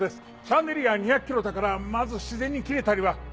シャンデリアは２００ｋｇだからまず自然に切れたりは。